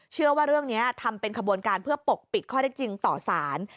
เชื่อว่าเรื่องนี้ทำเป็นขบวนการเพื่อปกปิดข้อได้จริงต่อสาร